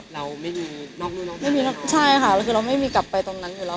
เราไม่มีนอกนู่นออกมาแล้วค่ะใช่ค่ะคือเราไม่มีกลับไปตรงนั้นอยู่แล้วค่ะ